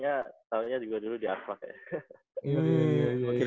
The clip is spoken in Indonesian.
eh taunya juga dulu di aspak ya